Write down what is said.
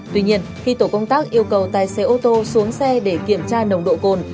tuy nhiên khi tổ công tác yêu cầu tài xế ô tô xuống xe để kiểm tra nồng độ cồn